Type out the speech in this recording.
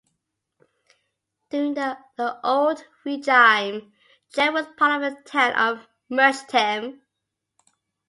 During the "Old Regime", Jette was part of the town of Merchtem.